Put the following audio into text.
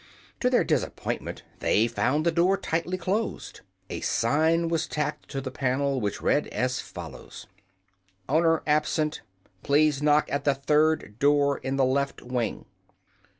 To their disappointment they found the door tightly closed. A sign was tacked to the panel which read as follows: ++||| OWNER ABSENT. |||| Please Knock at the Third || Door in the Left Wing.